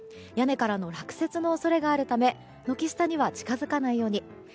屋根からの落雪の恐れがあるため軒下には近づかないように。